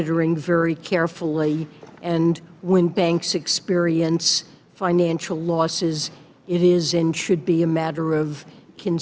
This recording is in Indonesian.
dan ketika bank mengalami kekurangan finansial itu adalah dan harus menjadi hal yang menyebabkan